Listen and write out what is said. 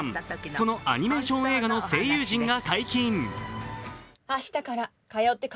そのアニメーション映画の声優陣が解禁。